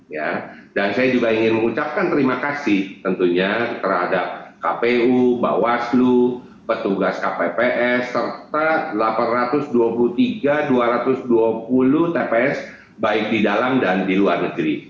ya dan saya juga ingin mengucapkan terima kasih tentunya terhadap kpu bawaslu petugas kpps serta delapan ratus dua puluh tiga dua ratus dua puluh tps baik di dalam dan di luar negeri